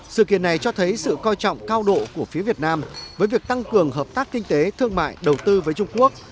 sự kiện này cho thấy sự coi trọng cao độ của phía việt nam với việc tăng cường hợp tác kinh tế thương mại đầu tư với trung quốc